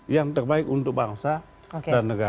yang terbaik untuk bangsa dan negara